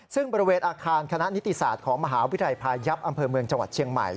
ซึ่งบริเวณอาคารคณะนิติศาสตร์ของมหาวิทยาลัยพายับอำเภอเมืองจังหวัดเชียงใหม่